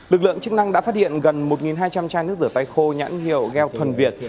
lực lượng chức năng đã phát hiện gần một hai trăm linh chai nước rửa tay khô nhãn hiệu gheo thuần việt